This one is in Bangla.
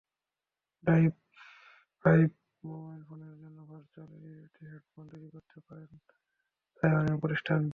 ভাইভ মোবাইল ফোনের জন্য ভারচুয়াল রিয়েলিটি হেডসেট তৈরি করতে পারে তাইওয়ানের প্রতিষ্ঠানটি।